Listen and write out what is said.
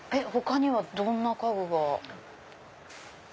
他にはどんな家具が？